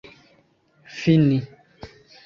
fini